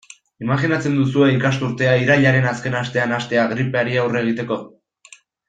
Imajinatzen duzue ikasturtea irailaren azken astean hastea gripeari aurre egiteko?